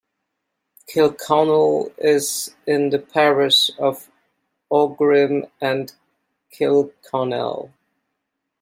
Kilconnell is in the parish of Aughrim and Kilconnell.